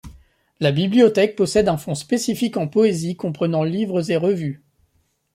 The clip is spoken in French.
La bibliothèque possède un fonds spécifique en Poésie comprenant livres et revues.